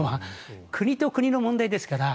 国と国の問題ですから。